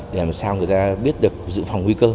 để làm sao người ta biết được dự phòng nguy cơ